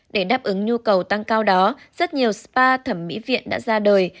để đáp ứng nhu cầu tăng cao đó rất nhiều spa thẩm mỹ viện đã ra đời